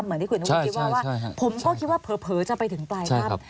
เหมือนที่คุณอุ้งคิดว่าผมก็คิดว่าเผลอจะไปถึงปลายถ้ำ